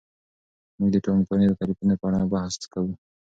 موږ د ټولنپوهنې د تعریفونو په اړه بحث کوو.